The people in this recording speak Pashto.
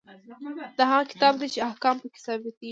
دا هغه کتاب دی چې احکام پکې ثبتیږي.